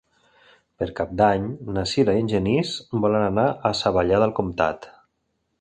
Per Cap d'Any na Sira i en Genís volen anar a Savallà del Comtat.